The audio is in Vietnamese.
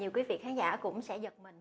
quý vị khán giả cũng sẽ giật mình